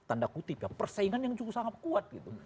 mereka menghadapi tanda kutip persaingan yang cukup sangat kuat gitu